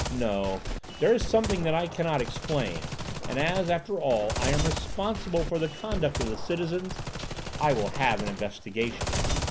No! There is something that I cannot explain, and as, after all, I am responsible for the conduct of the citizens, I will have an investigation."